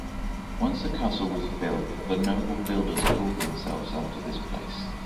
Once a castle was built, the noble builders called themselves after this place.